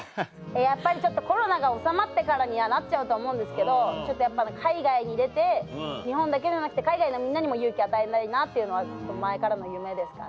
やっぱりコロナが収まってからにはなっちゃうと思うんですけどやっぱ海外に出て日本だけじゃなくて海外のみんなにも勇気与えたいなっていうのは前からの夢ですかね。